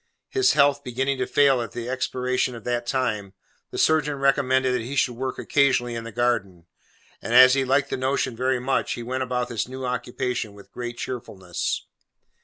His health beginning to fail at the expiration of that time, the surgeon recommended that he should work occasionally in the garden; and as he liked the notion very much, he went about this new occupation with great cheerfulness.